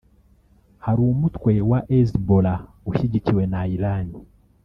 Hari umutwe wa Hezbollah ushyigikiwe na Iran